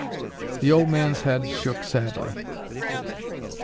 The old man's head shook sadly.